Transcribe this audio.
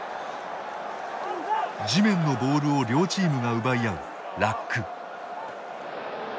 地面のボールを両チームが奪い合うラック。